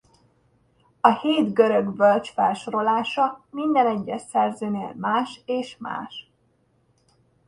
A hét görög bölcs felsorolása minden egyes szerzőnél más és más.